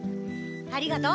ありがとう！